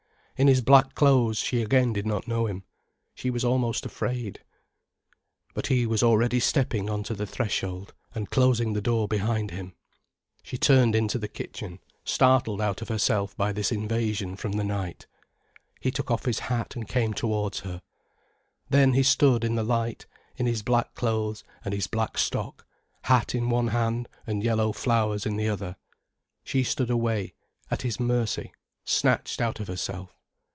In his black clothes she again did not know him. She was almost afraid. But he was already stepping on to the threshold, and closing the door behind him. She turned into the kitchen, startled out of herself by this invasion from the night. He took off his hat, and came towards her. Then he stood in the light, in his black clothes and his black stock, hat in one hand and yellow flowers in the other. She stood away, at his mercy, snatched out of herself.